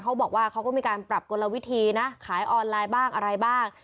เขาก็มีการปรับกลวิธีนะขายออนไลน์บ้างอะไรบ้าง